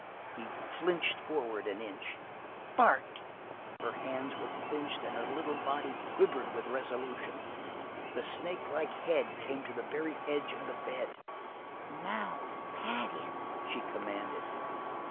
He flinched forward, an inch. "Bart!" Her hands were clenched and her little body quivered with resolution; the snake like head came to the very edge of the bed. "Now pat him!" she commanded.